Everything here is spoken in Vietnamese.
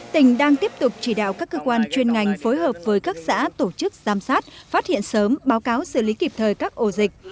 tỉnh đang tiếp tục chỉ đạo các cơ quan chuyên ngành phối hợp với các xã tổ chức giám sát phát hiện sớm báo cáo xử lý kịp thời các ổ dịch